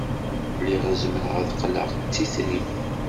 Lliɣ zemreɣ ad qqleɣ d titrit.